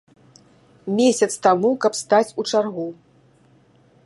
Месяц таму, каб стаць у чаргу!